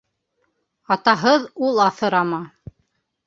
Атаһыҙ ул аҫырама